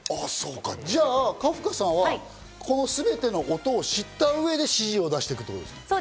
じゃあカフカさんは、この全ての音を知った上で指示を出していくってことですか？